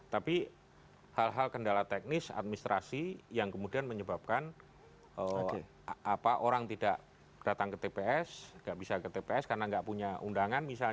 tapi hal hal kendala teknis administrasi yang kemudian menyebabkan orang tidak datang ke tps nggak bisa ke tps karena nggak punya undangan misalnya